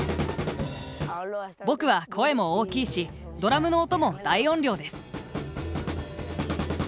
僕は声も大きいしドラムの音も大音量です。